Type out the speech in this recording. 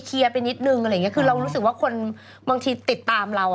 ไปนิดนึงอะไรอย่างเงี้คือเรารู้สึกว่าคนบางทีติดตามเราอ่ะ